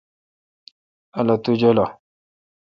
الو تو جولہ۔